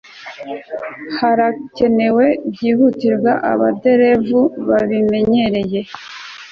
harakenewe byihutirwa abaderevu babimenyereye